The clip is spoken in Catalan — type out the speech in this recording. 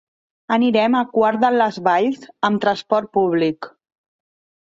Anirem a Quart de les Valls amb transport públic.